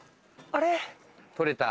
あれ？